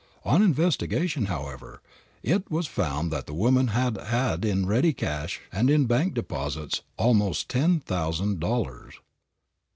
On investigation, however, it was found that the woman had had in ready cash and in bank deposits, almost ten thousand dollars.